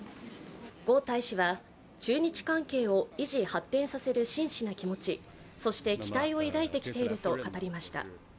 呉大使は中日関係を維持・発展させる真摯な気持ち、そして期待を抱いて来ていると語りました。